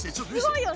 すごいよ。